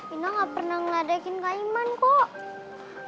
indah gak pernah ngeledakin kayman kok